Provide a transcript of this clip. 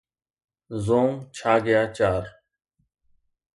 زونگ چا گيا چار